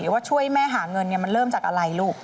ว่าช่วยแม่หาเงินมันเริ่มจากอะไรลูก